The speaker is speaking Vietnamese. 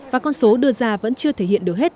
và con số đưa ra vẫn chưa thể hiện được hết